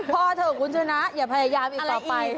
เถอะคุณชนะอย่าพยายามอีกต่อไป